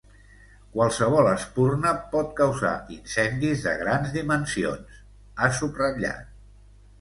“Qualsevol espurna pot causar incendis de grans dimensions”, ha subratllat.